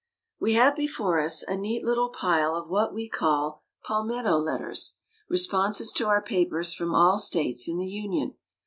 We have before us a neat little pile of what we call "Palmetto letters," responses to our papers from all States in the Union.